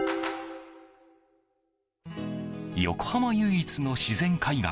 横浜唯一の自然海岸乙